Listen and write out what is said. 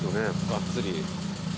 がっつり。